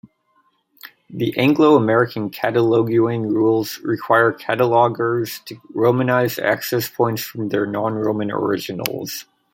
The Anglo-American Cataloguing Rules require catalogers to romanize access points from their non-Roman originals.